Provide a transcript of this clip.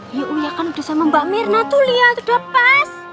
iya kan udah sama mbak mirna tuh lihat udah pas